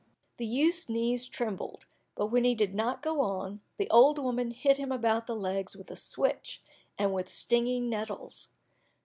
The youth's knees trembled, but when he did not go on, the old woman hit him about the legs with a switch and with stinging nettles.